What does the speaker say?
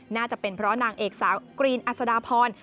น่าจะเป็นเพราะนางเอกสาวกรีนอัศดาพร